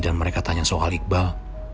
dan mereka tanya soal iqbal